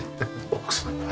奥さんが。